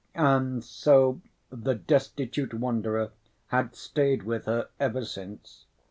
And so the destitute wanderer had stayed with her ever since.